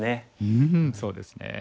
うんそうですね。